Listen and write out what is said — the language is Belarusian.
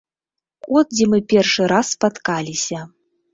От дзе мы першы раз спаткаліся.